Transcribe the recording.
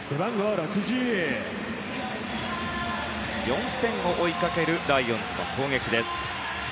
４点を追いかけるライオンズの攻撃です。